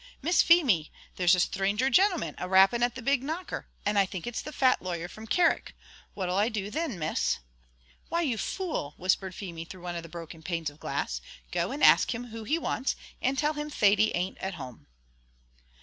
Miss Feemy, there's a sthranger gintleman a rapping at the big knocker, and I think it's the fat lawyer from Carrick; what'll I do thin, Miss?" "Why, you fool!" whispered Feemy through one of the broken panes of glass, "go and ask him who he wants, and tell him Thady an't at home."